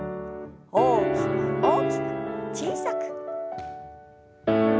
大きく大きく小さく。